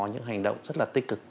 những hành động rất là tích cực